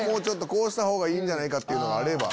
こうしたほうがいいんじゃないかっていうのがあれば。